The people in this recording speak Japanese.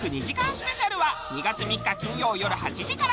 スペシャルは２月３日金曜よる８時から。